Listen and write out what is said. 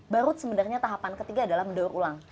baru sebenarnya tahapan ketiga adalah mendaur ulang